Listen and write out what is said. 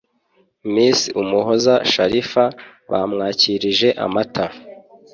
Miss Umuhoza Sharifa bamwakirije amata